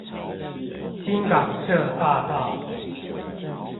新港社大道